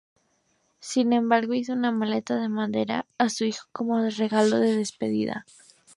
Sin embargo, hizo una maleta de madera a su hijo como regalo de despedida.